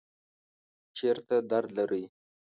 چیرته درد لرئ؟